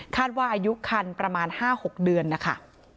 ว่าอายุคันประมาณ๕๖เดือนนะคะ